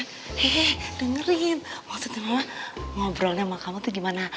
hehehe dengerin maksudnya ngobrolnya sama kamu tuh gimana